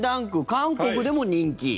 韓国でも人気。